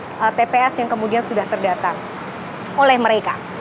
nah kira kira daerah mana saja yang kemudian terdapat atau terjadi kesalahan input data yang paling banyak